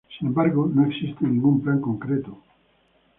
Sin embargo, no existe ningún plan concreto.